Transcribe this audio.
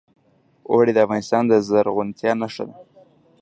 اوړي د افغانستان د زرغونتیا نښه ده.